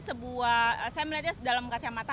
sebuah saya melihatnya dalam kacamata